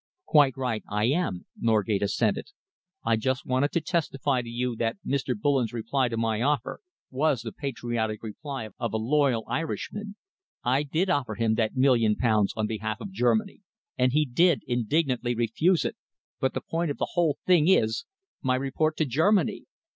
"Quite right, I am," Norgate assented. "I just wanted to testify to you that Mr. Bullen's reply to my offer was the patriotic reply of a loyal Irishman. I did offer him that million pounds on behalf of Germany, and he did indignantly refuse it, but the point of the whole thing is my report to Germany."